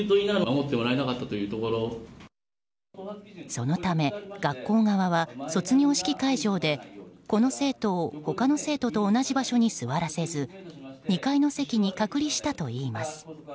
そのため学校側は卒業式会場で、この生徒を他の生徒と同じ場所に座らせず２階の席に隔離したといいます。